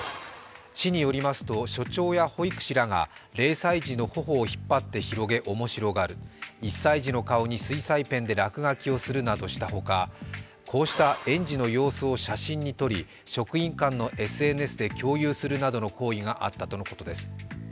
市によりますと所長や保育士らが０歳児の頬を引っ張って広げおもしろがる、１歳児の顔に水彩ペンで落書きをするなどした他こうした園児の様子を写真に撮り職員間のＳＮＳで共有するなどの行為があったとのことです。